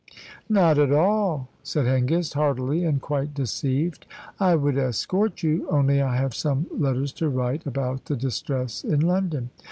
"Not at all," said Hengist, heartily, and quite deceived. "I would escort you, only I have some letters to write about the distress in London."